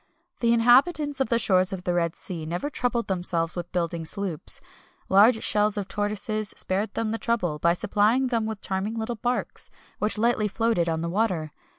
[XXI 253] The inhabitants of the shores of the Red Sea never troubled themselves with building sloops; large shells of tortoises spared them the trouble, by supplying them with charming little barks, which lightly floated on the water.